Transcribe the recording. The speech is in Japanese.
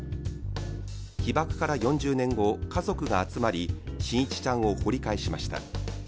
被爆から４０年後、家族が集まり伸一ちゃんを掘り返しました。